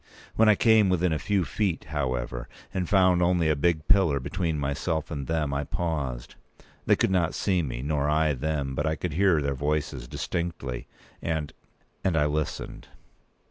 When I came within a few feet, however, and found only a big pillar between myself and them, I paused. They could not see me, nor I them; p. 201but I could hear their voices distinctly, and—and I listened."